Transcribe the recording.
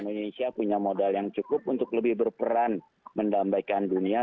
indonesia punya modal yang cukup untuk lebih berperan mendambakan dunia